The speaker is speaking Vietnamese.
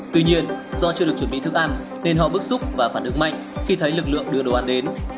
tuy nhiên do chưa được chuẩn bị thức ăn nên họ bức xúc và phản ứng mạnh khi thấy lực lượng đưa đồ ăn đến